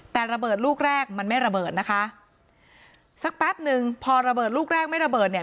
แต่ระเบิดลูกแรกมันไม่ระเบิดนะคะสักแป๊บหนึ่งพอระเบิดลูกแรกไม่ระเบิดเนี่ย